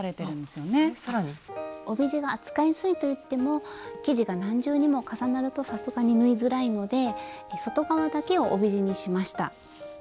帯地が扱いやすいと言っても生地が何重にも重なるとさすがに縫いづらいので外側だけを帯地にしました。